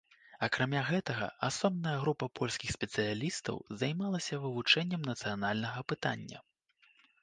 Акрамя гэтага, асобная група польскіх спецыялістаў займалася вывучэннем нацыянальнага пытання.